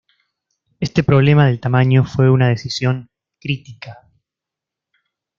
Este problema del tamaño fue una decisión crítica.